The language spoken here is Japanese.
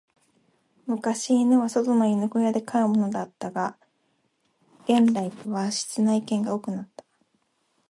昔、犬は外の犬小屋で飼うものだったが、現代は室内犬が多くなった。